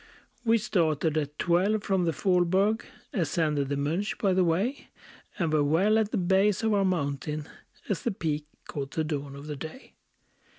We started at twelve from the Faulberg; Ascended the Monch by the way; And were well at the base of our mountain, As the peak caught the dawn of the day.